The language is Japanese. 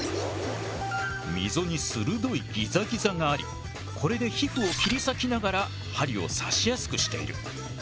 溝に鋭いギザギザがありこれで皮膚を切り裂きながら針を刺しやすくしている。